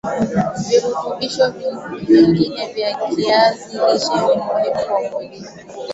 virutubisho vingine vya kiazi lishe ni muhimu kwa mwilini